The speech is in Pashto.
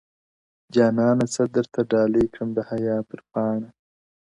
o جانانه څه درته ډالۍ كړم د حيا پـر پـــــــــاڼــــــــــه ـ